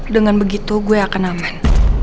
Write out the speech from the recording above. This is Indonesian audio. dengan begitu gue akan aman